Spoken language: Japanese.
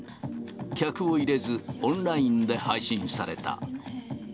客を入れず、オンラインで配信された。